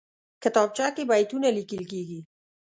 کتابچه کې بیتونه لیکل کېږي